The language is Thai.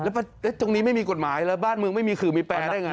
แล้วตรงนี้ไม่มีกฎหมายแล้วบ้านเมืองไม่มีขื่อมีแปรได้ไง